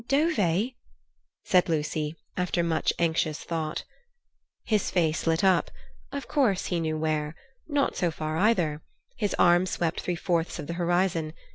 "Dove?" said Lucy, after much anxious thought. His face lit up. Of course he knew where. Not so far either. His arm swept three fourths of the horizon.